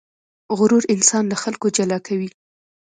غرور انسان له خلکو جلا کوي.